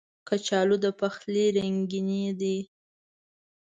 کچالو د پخلي رنګیني ده